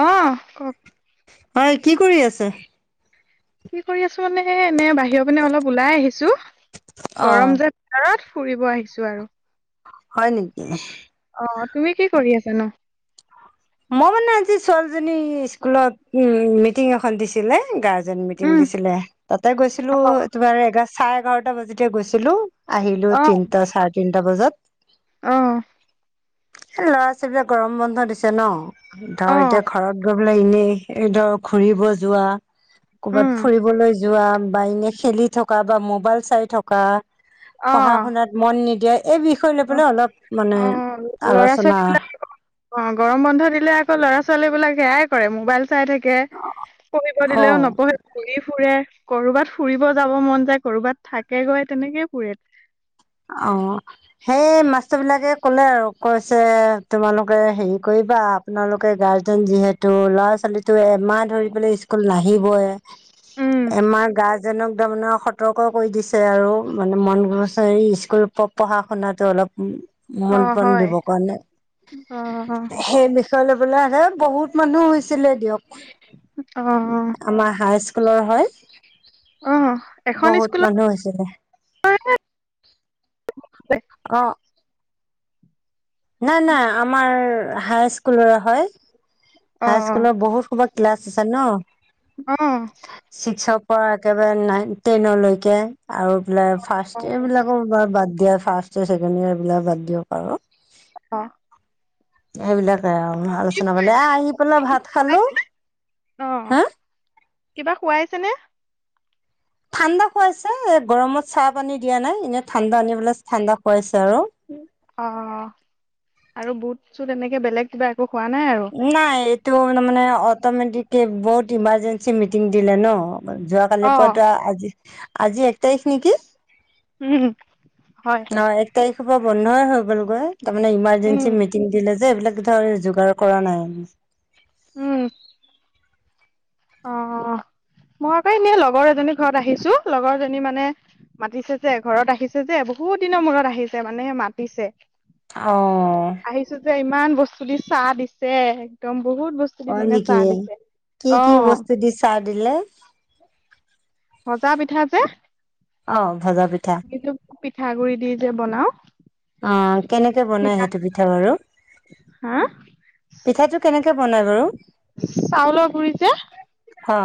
অ', কওক। হয় কি কৰি আছে। কি কৰি আছো মানে এ এনে বাহিৰৰ পিনে অলপ ওলাই আহিছো অ'। গৰম যে। [unintelligible] ফুৰিব আহিছো আৰু। হয় নেকি। অ', তুমি কি কৰি আছা নু? মই মানে আজি ছোৱালীজনী ইস্কুলত উম মিটিং এখন দিছিলে গাৰ্জেন জেন মিটিং উম, দিছিলে তাতে গৈছিলো অ', তোমাৰ এঘাৰ, চাৰে এঘাৰটা বাজাতে গৈছিলো আহিলো অ', তিনটা চাৰে তিনটা বজাত। অ'। এই ল'ৰা-ছোৱালীবিলাক গৰম বন্ধ দিছে ন ধৰ অ', এতিয়া ঘৰত গ এনে ধৰ ঘুৰিব যোৱা উম, কৰ'বাত ফুৰিবলৈ য যোৱা বা এনে খেলি থকা বা ম'বাইল চাই থকা পঢ়া অ', শুনাত মন নিদিয়া এই বিষয় লৈ অ', পেলায় অলপ মানে অ', ল'ৰা আলোচনা। ছোৱালী বিলাক অ' গৰম বন্ধ দিলে আকৌ ল'ৰা-ছোৱালী বিলাক সেয়াই কৰে মোবাইল চাই থাকে পঢ়িব অ'। দিলেও নপঢ়ে। ঘুৰি ফুৰে, কৰবাত ফুৰিব যাব মন যায় কৰবাত থাকেগৈ তেনেকে ফুৰে। অ অ। সেই মাষ্টৰ বিলাকে ক'লে আৰু কৈছে তোমালোকে হেৰি কৰিবা আপোনালোকে গাৰ্জেন যিহেতু ল'ৰা- ছোৱালী ত এমাহ ধৰি পেলাই ইস্কুল নাহিবই উম, এমাহ গাৰ্জেনক তাৰমানে স সতৰ্ক কৰি দিছে আৰু মানে মন গছে ইস্কুল পঢ়া শুনাতো অলপ মন - অ', কান হয় দিবৰ কাৰণে অ', সেই বিষয়ে [unintelligible] আহে বহুত মানুহ হৈছিলে দিয়ক অ', অ', আমাৰ হাই্চ কুলৰ হয়, অ', এখন বহুত স্কুলত মানুহ হৈছিলে। অ। নাই নাই আমাৰ হাই স্কুলৰ হয়। অ', হাই অ', স্কুলৰ বহুত কৰবাত ক্লাছ আছে ন। [unintelligible] ছিক্সৰ পৰা একেবাৰে নাইন টেনলৈকে আৰু ইফালে অ ফাৰ্ষ্ট ইয়েৰ বিলাকোৰ বাৰু বাদ দিয়া, ফাৰ্ষ ইয়েৰ, ছেকেণ্ড ইয়াৰ এইবলাক বাদ দিয়ক আৰু। অ'। এইবিলাকে আলোচনা পালে খুৱাইছে নে, অ', হা কিবা খোৱাইছে নে? ঠাণ্ডা খুৱাইছে, এই গৰমত চাহ পানী দিয়া নাই, এনেই ঠাণ্ডা [unintelligible] ঠাণ্ডা খুৱাইছে আৰু। অ', আৰু বুট চুট এনেকে বেলেগ কিবা একো খোৱা নাই আৰু। নাই এইটো তাৰ মানে অটমেটিকে, বহুত ইমাৰ্জেঞ্চি মিটিং দিলে ন যোৱা অ কালিৰ পৰাটো, আজি, আজি এক তাৰিখ নেকি? উম, হয়। অ', এক তাৰিখৰ পৰা বন্ধই হৈ গলগৈ, তাৰমানে উম ইমাৰ্জেঞ্চি মিটিং দিলে যে, এইবিলাক ধৰ যোগাৰ কৰা নাই। উম। অ [inaudible] মই আকৌ এনেই লগৰ এজনী ঘৰত আহিছো, লগৰ জনী মানে মাতিছে যে ঘৰত আহিছে যে, বহুত দিনৰ মূৰত আহিছে মানে, হেই মাতিছে। অ'। আহিছো যে, ইমান বস্তু দি চাহ দিছে, এক্দম বহুত বস্তু দি হয় মানে নেকি? চাহ দিছে। কি অ কি বস্তু দি চাহ দিলে? ভজা পিঠা যে, অ', ভজা পিঠা। আমি যে পিঠাগুৰি দি যে বনাওঁ। অ', কেনেকে বনাই সেইটো পিঠা বাৰু? হা পিঠাটো কেনেকে বনাই বাৰু? চাউলৰ গুৰি যে হা।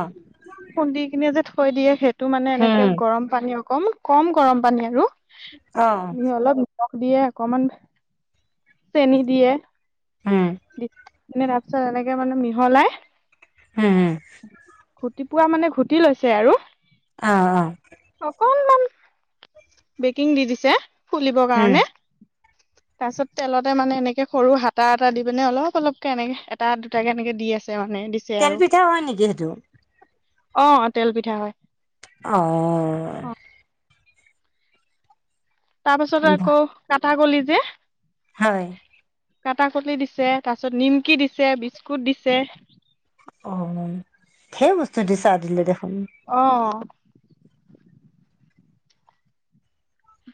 খুন্দি কিনে যে থৈ দিয়ে, সেইটো মানে এনেকে হুম, গৰম পানী অকণ, কম গৰম পানী আৰু। অ', অলপ নিমখ দিয়ে, অকমান, চেনি দিয়ে হম। দি, তাৰপিছত এনেকে মানে মিহলাই হম হম। ঘুটি পোৱা, মানে ঘুটি লৈছে আৰু। অ'। অকনমান, বেকিং দি দিছে, ফুলিবৰ হুম। কাৰণে। [inaudible] তাৰ পিছত তেলতে মানে এনেকে সৰু হাতা এটা দি পিনে অলপ, অলপকে এনেকে এটা দুটাকে এনেকে দি আছে, মানে বিশ তেল পিঠা হয় নেকি সেইটো? অ', তেল পিঠা হয়। অ'। অ তাৰপাছতো আকৌ কাঠা গলি যে হয়। কাটা কলি দিছে, তাৰপিছত নিমকি দিছে, বিস্কুট দিছে। অ', ঢেৰ বস্তু দিছে চাহ দিলে দেখোন। অ'।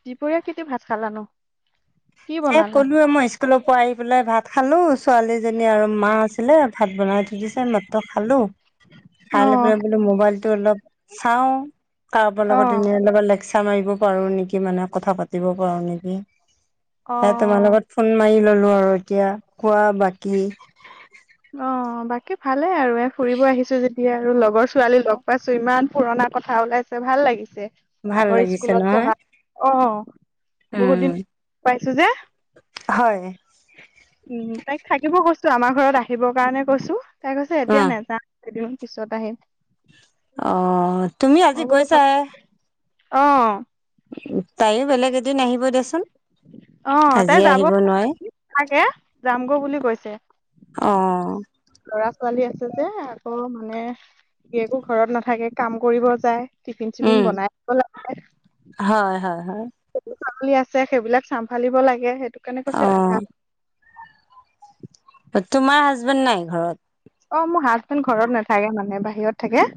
দুপৰীয়া কেতিয়া ভাত খালা নো? [unintelligible] স্কুলৰ পৰা আহি পেলাই ভাত খালোঁ ছোৱালীজনী আৰু মা আছিলে ভাত বনাই থৈ দিছে এইমাত্ৰ খালোঁ। অ খাই লৈ পেলাই বোলো মোবাইলটো অলপ চাও, কাৰোবাৰ অ লগত এনে [unintelligible] লেক চাৰ মাৰিব পাৰোঁ নেকি মানে কথা পাতিব পাৰোঁ নেকি। অ সে তোমাৰ লগত ফোন মাৰি ললোঁ আৰু এতিয়া, কোৱা বাকী। অ, বাকী ভালে আৰু এ ফুৰিব আহিছো যেতিয়া আৰু লগৰ ছোৱালী লগ পাইছো ইমান পুৰণা কথা ওলাইছে ভাল লাগিছে। ভাল আগৰ লাগিছে স্কুলত নহয় পঢ়া, অ, বহুত উম দিন পাইছো যে। হয়। উম, তাইক থাকিব কৈছো আমাৰ ঘৰত আহিবৰ কাৰণে কৈছো, তাই কৈছে অ এতিয়া নেযা কেইদিনমান পিছত আহিম। অ, তুমি আজি মই বোলো গৈছাই। অ', তাইও বেলেগ এদিন আহিব দেচোন। অ, আজি তাই যাব আহিব নোৱাৰে চাগে যামগৈ বুলি কৈছে। অ', ল'ৰা-ছোৱালী আছে যে আকৌ মানে গিয়েকো ঘৰত নাথাকে কাম কৰিব যায়। টিফিন উম চিফিন বনাই [unintelligible] লাগে। হয়, হয়, হয়। ছাগলী আছে সেইবিলাক চাম্ভালিব লাগে সেইটো কাৰণে অ কৈছে নাথাক অ তোমাৰ হাজবেণ্ড নাই ঘৰত? অ, মোৰ হাজবেণ্ড ঘৰত নাথাকে মানে বাহিৰত থাকে।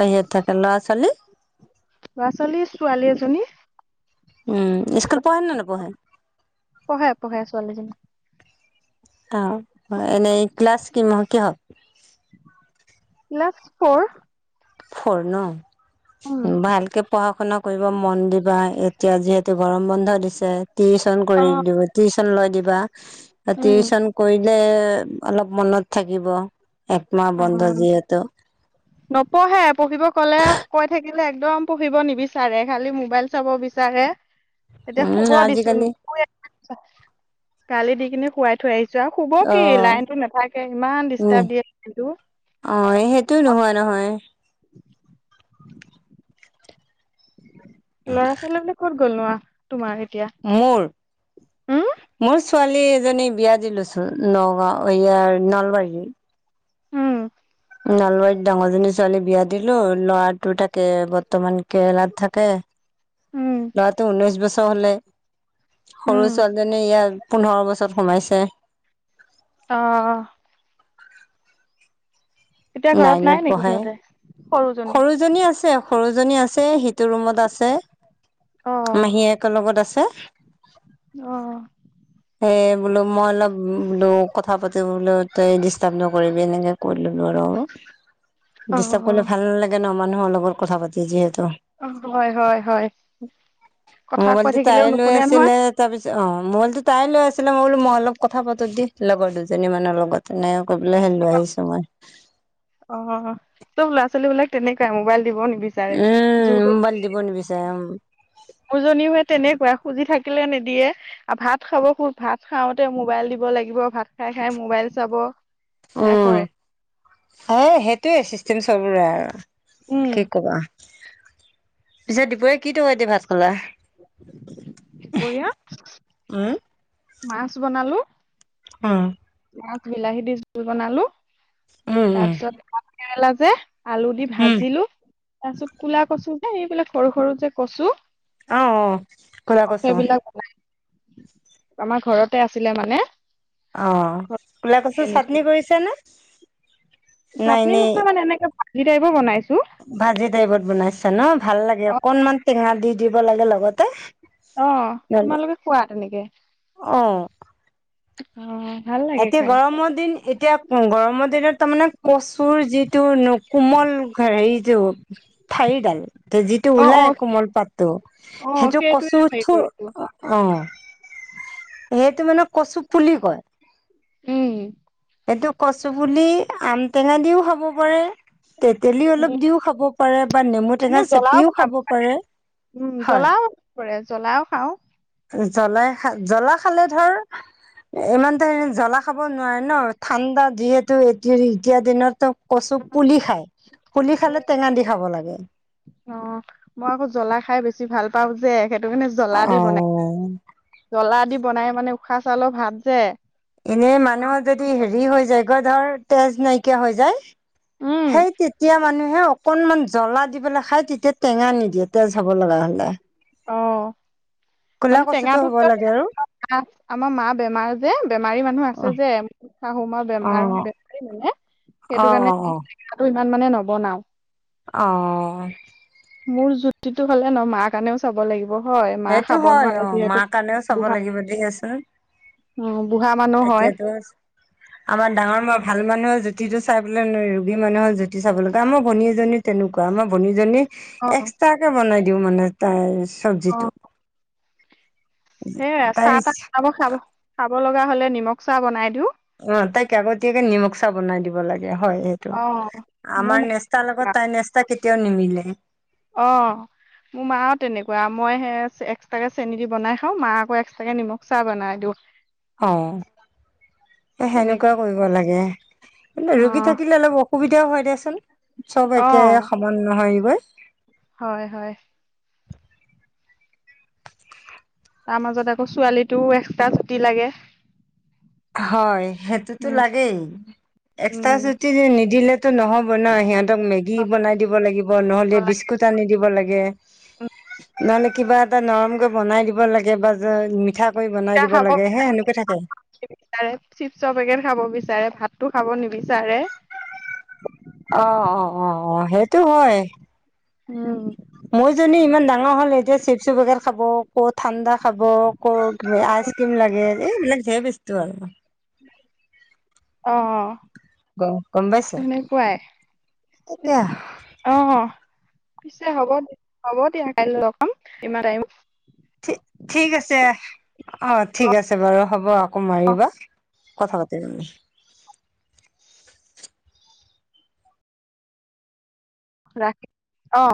বাহিৰত থাকে, ল'ৰা ছোৱালী? লৰা-ছোৱালী, ছোৱালী এজনী। উম, স্কুল পহে নে নপহে? পহে পহে ছোৱালীজনী। অ, হয়, এনেই ক্লাছ কিম কিহত? Class four. ফ'ৰ ন, উম ভালকে পঢ়া-শুনা কৰিব মন দিবা এতিয়া যিহেতু গৰম বন্ধ দিছে, টিউচন অ কৰি দিব টিচন লৈ দিবা, আ উম টিচন কৰিলে অলপ মনত থাকিব। একমাহ বন্ধ যিহেতু। নপহে পহিব কলে কৈ থাকিলে একদম পঢ়িব নিবিচাৰে, খালি মোবাইল চাব বিচাৰে। [inaudible] এতিয়া শুব দিছো আজিকালি নুশুৱে [unintelligible] গালি দি কিনি শুৱাই থৈ আহিছো আৰু শুব অ কি, লাইনটো নাথাকে ইমান উম ডিষ্টাৰ্ব দিয়ে [unintelligible] টো। অ, এ সেইটো নহয় নহয়। ল'ৰা-ছোৱালীবিলাক ক'ত গ'লনো আহ তোমাৰ, এতিয়া? মোৰ? উম মোৰ ছোৱালী এজনী বিয়া দি লৈছো নগাঁও ইয়াৰ নলবাৰী উম। নলবাৰীত ডাঙৰজনী ছোৱালী বিয়া দিলো ল'ৰাটো থাকে বৰ্তমান কেৰেলাত থাকে। উম ল'ৰাটো ঊনৈশ বছৰ হ'লেই, সৰু উম ছোৱালীজনী ইয়াৰ পোন্ধৰ বছৰত সোমাইছে। অ', এতিয়া ঘৰত নাই নিকি সিহঁতে? সৰুজনী সৰু জনী আছে, সৰু জনী আছে, সিটো ৰুমত আছে। অ'। মাহীয়েকৰ লগত আছে। অ'। এ বোলো মই অলপ বোলো কথা পাতি বোলো তই ডিষ্টাৰ্ব নকৰিবি এনেকে কৈ ল'লো আৰু। অ ডিষ্টাৰ্ব কৰিলে ভাল নালাগে ন' মানুহৰ লগত কথা পাতি যিহেতু। অ', হয়, হয়, হয়, কথা কৈ মোবাইলটো তাই থাকিলেও লৈ নুশুনে‌ নহয়। আছিলে তাৰপিছত, অ', ম'বাইলটোত তাই লৈ আছিলে, মই বোলো, মই অলপ কথা পাতো দি, লগৰ দুজনী মানৰ লগত, এনেকে কৈ পেলাই, লৈ আহিছোঁ মই। অ', চব ল'ৰা-ছোৱালীবিলাক তেনেকুৱাই মোবাইল দিব নিবি উম, মোবাইল দিব নিবিচাৰে, উম। মোৰ জনীও সেই তেনেকুৱাই, খুজি থাকিলে নিদিয়ে। আৰু ভাত খাব, খু, ভাত খাওঁতে মোবাইল দিব লাগিব, ভাত খাই-খাই মোবাইল চাব। সেয়া উম কৰে। এ সেইটোৱে চিষ্টেম, চবৰে আৰু, উম কি কবা। পিছে দুপৰীয়া কি তৰকাৰী দি ভাত খালা? দুপৰীয়া উম মাছ বনালোঁ। অ'। মাছ বিলাহী দি জোল বনালো, উম তাৰ উম পিছত ভাত কেৰেলা যে আলু দি উম ভাজলোঁ, তাৰপিছত ক'লা কচু যে এইবিলাক সৰু-সৰু যে কচু। ক'লা অ', কচু সেইবিলাক বনাই, আমাৰ ঘৰতে আছিলে মানে। ঘৰতে অ', ক'লা কচুৰ আনিছো চাটনি কৰিছা নে? নাই চাটনি এনেই নহয় মানে, এনেকে ভাজি টাইপৰ বনাইছোঁ। ভাজি টাইপত বনাইছা ন', ভাল লাগে, অ অকণমান টেঙা দি দিব লাগে লগতে। অ', নহলে তোমালোকে খোৱা তেনেকে? অ'। অ', ভাল লাগে এতিয়া খাই গৰমৰ দিন, এতিয়া গৰমৰ দিনত তাৰমানে কচ চুৰ যিটো কোমল হেৰিটো। ঠাৰিডাল, যিটো অ অ ওলাই কোমল পাতটো, অ সেইটো সেইটোয়ে কচু হেৰি ঠু কৰিছো অ', সেইটো মানে কচু পুলি কয়। উম। এইটো কচু পুলি আম টেঙা দিও খাব পাৰে। তেতেলী উম, অলপ দিও খাব পাৰে, বা নেমু এনে টেঙা জ্বলাও চেপিও বনাব খাব পাৰে, হয়। পৰে, জ্বলাও খাওঁ। জ্বলাই খা, জ্বলা খালে ধৰ ইমান টাইম জ্বলা খাব নোৱাৰে ন', ঠাণ্ডা যিহেতু এ এতিয়া দিনততো কচু পুলি খায়, পুলি খালে, টেঙা দি খাব লাগে। অ', মই আকৌ জ্বলা খাই বেছি ভাল পাওঁ যে সেইটো কাৰণে জ্বলা দি বনাইছোঁ। জ্বলা দি বনাই মানে উশাহ চাউলৰ ভাত যে এনে মানুহৰ যদি হেৰি হৈ যায়গৈ, ধৰ তেজ নাইকিয়া হৈ যায়। উম সেই তেতিয়া মানুহে অকনমান জ্বলা দি পেলাই খাই, তেতিয়া টেঙা নিদিয়ে, তেজ হাব লগা হ'লে। অ'। ক'লা মানে কচুটো টেঙাটো হ'ব কিয়া লাগে আৰু [unintelligible] আমাৰ মা বেমাৰ যে, বেমাৰী মানুহ অ আছে যে শাহুমাৰ অ বেমাৰ বেমাৰী মানে অ সেইটো অ কাৰণেটো ইমান মানে নবনাও। অ'। মোৰ জুতিটো হলে ন মাৰ কাৰণেও চাব লাগিব। হয় মা সেইটো খাব হয় নোৱাৰে অ যিহেতু মাৰ কাৰণেও চাব বুঢ়া। লাগিব দিয়াচোন অ', বুঢ়া মানুহ হয়। এতিয়াতো [unintelligible] আমাৰ ডাঙৰ ম ভাল মানুহৰ জুতিটো চাই পেলাই ৰোগী মানুহৰ জুতি চাব লাগে আমাৰ ভণী এজনী তেনেকুৱা আমাৰ ভনীজনী অ', এক্সট্ৰাকে বনাই দিও মানে তাইৰ চবজিটো। সেয়ে চাহ তাই তাহ খাব খাব খাব লগা হলে নিমখ চাহ বনাই দিওঁ। অ', তাইক আগতীয়াকে নিমখ চাহ বনাই দিব লাগে হয় সেইটো অ', মোৰ আমাৰ মা- নেচ চা লগত তাই নেষ্টা কেতিয়াও নিমিলে। অ'। মোৰ মাও তেনেকুৱা মই হে এক্সট্ৰাকে চেনি দি বনাই খাওঁ মা আকৌ এক্সট্ৰাকে নিমখ চা বনাই দিওঁ। অ', এ তেনেকে সেনেকুৱা কৰিব লাগে কিন্তু ৰোগী অ', থাকিলে অলপ অ সুবিধাও হয় দেচোন চব অ একে সমান নহৰিবই। হয় হয়। তাৰ মাজত আকৌ ছোৱালিটো এক্সট্ৰা ছুটি লাগে। হয় সেইটোতো উম লাগেই এক্সট্ৰা উম ছুটি নিদিলে টো নহ'ব ন সিহঁতক মেগি বনাই দিব লাগিব দিব নহ'লে লাগে বিস্কুট আনি দিব লাগে। নহ'লে কিবা এটা নৰমকৈ বনাই দিব লাগে বা যে মিঠা কৈ বনাই দিব লাগে হে হেনেকৈ থাকে। তাৰে চিপছৰ পেকেট খাব বিচাৰে ভাতটো খাব নিবিচাৰে। অ', অ', অ', অ', সেইটো হয়। উম। মই যনি ইমান ডাঙৰ হ'ল এতিয়া চিপচৰ পেকেট খাব। ক' ঠাণ্ডা খাব ক' এ আইচ ক্ৰীম লাগে এ এইবিলাক ধেৰ বেস্তু আৰু। [unintelligible] অ', গ গম পাইছা হেনেকুৱাই। এতিয়া অ', পিছে হ'ব হ'ব দিয়া কাইলৈ লগ পাম ইমান টাইম। থি ঠিক আছে অ ঠিক আছে বাৰু হ'ব আকৌ মাৰিবা কথা পাতিম ৰাখি অ।